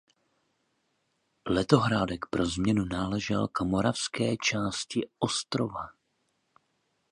Letohrádek pro změnu náležel k moravské části ostrova.